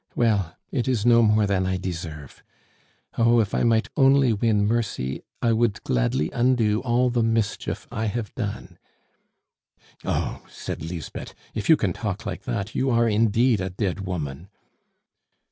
Well, it is no more than I deserve. Oh, if I might only win mercy, I would gladly undo all the mischief I have done." "Oh!" said Lisbeth, "if you can talk like that, you are indeed a dead woman."